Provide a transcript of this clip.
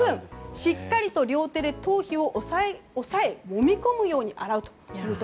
しっかりと両手で頭皮を押さえもみ込むように洗うという。